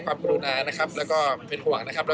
สัก๑๐๐เมตรครับ